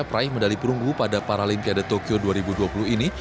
peraih medali perunggu pada paralimpiade tokyo dua ribu dua puluh ini